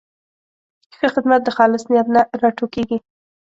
ښه خدمت د خالص نیت نه راټوکېږي.